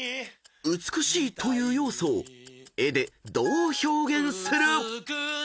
［「美しい」という要素を絵でどう表現する？］